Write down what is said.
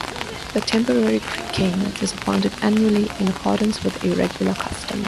The temporary king is appointed annually in accordance with a regular custom.